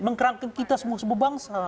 mengkerangka kita semua semua bangsa